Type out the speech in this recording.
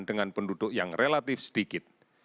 dengan penduduk yang relatif sedikit